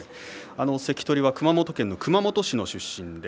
関取は熊本県熊本市の出身です。